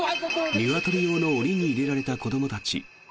ニワトリ用の檻に入れられた子どもたち。